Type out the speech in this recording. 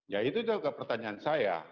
ya itu juga pertanyaan saya